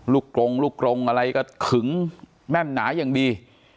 กรงลูกกรงอะไรก็ขึงแม่นหนาอย่างดี